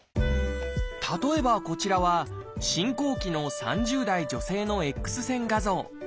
例えばこちらは進行期の３０代女性のＸ線画像。